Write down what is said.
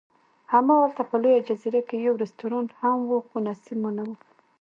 هماغلته په لویه جزیره کې یو رستورانت هم و، خو نصیب مو نه و.